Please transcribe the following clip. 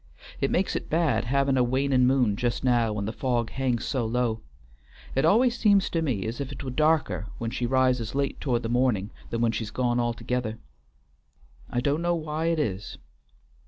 It makes it bad havin' a wanin' moon just now when the fogs hangs so low. It al'ays seems to me as if 't was darker when she rises late towards mornin' than when she's gone altogether. I do' know why't is."